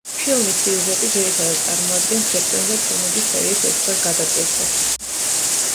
ფილმის სიუჟეტი ძირითადად წარმოადგენს ბეტმენზე ფილმების სერიის ერთგვარ გადატვირთვას.